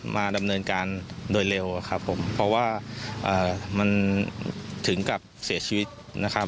มาดำเนินการโดยเร็วครับผมเพราะว่ามันถึงกับเสียชีวิตนะครับ